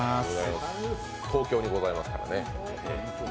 東京にございますからね。